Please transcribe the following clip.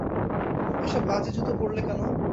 এসব বাজে জুতো পড়লে কেন!